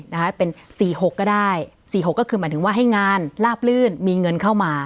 นะคะเป็นสี่หกก็ได้สี่หกก็คือหมายถึงว่าให้งานลาบลื่นมีเงินเข้ามา